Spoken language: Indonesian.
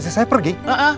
istri saya pergi